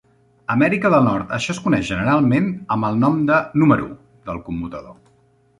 A Amèrica del Nord, això es coneix generalment amb el nom de "número" del commutador.